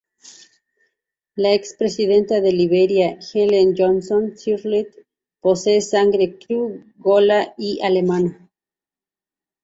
La ex presidenta de Liberia Ellen Johnson Sirleaf posee sangre kru, gola, y alemana.